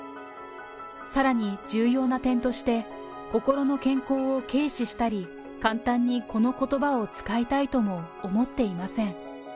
さらに重要な点として、心の健康を軽視したり、簡単にこのことばを使いたいとも思っていません。